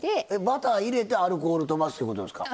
バター入れてアルコールとばすってことですか？